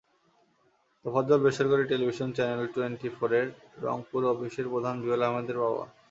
তোফাজ্জল বেসরকারি television channel টুয়েন্টিফোরের রংপুর অফিসের প্রধান জুয়েল আহমেদের বাবা।